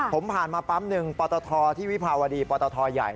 ผมผ่านมาปั๊มหนึ่งปตทที่วิภาวดีปตทใหญ่